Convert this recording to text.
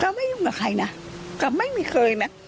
ก็ไม่ยุ่งกับใครนะไม่มีเคยนะ